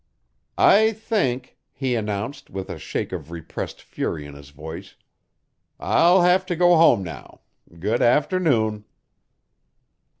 "I think," he announced with a shake of repressed fury in his voice, "I'll have to go home now. Good afternoon."